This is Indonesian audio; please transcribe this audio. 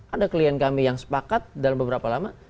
ada klien kami yang sepakat dalam beberapa lama